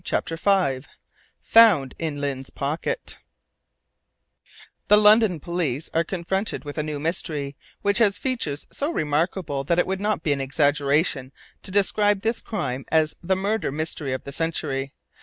CHAPTER V FOUND IN LYNE'S POCKET "The London police are confronted with a new mystery, which has features so remarkable, that it would not be an exaggeration to describe this crime as the Murder Mystery of the Century.